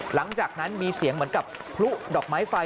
หลังจากนั้นมีเสียงเหมือนกับพลุดอกไม้ไฟ